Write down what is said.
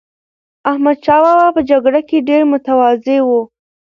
احمدشاه بابا په جګړه کې ډېر متواضع و.